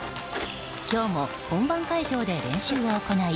今日も本番会場で練習を行い